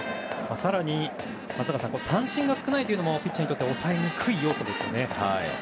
更に、松坂さん三振が少ないというのもピッチャーにとって抑えにくい要素ですよね。